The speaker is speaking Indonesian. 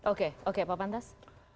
oke oke pak pantas